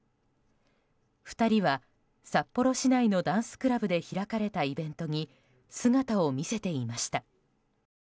２人は札幌市内のダンスクラブで開かれたイベントに姿を見せていました。